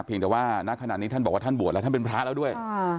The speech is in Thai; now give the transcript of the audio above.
แต่ว่าณขณะนี้ท่านบอกว่าท่านบวชแล้วท่านเป็นพระแล้วด้วย